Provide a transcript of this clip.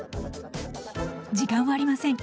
時間はありません。